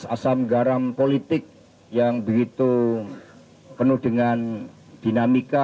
asam garam politik yang begitu penuh dengan dinamika